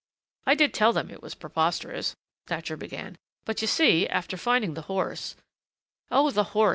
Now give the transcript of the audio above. "I did tell them it was preposterous," Thatcher began, "but, you see, after finding the horse " "Oh, the horse!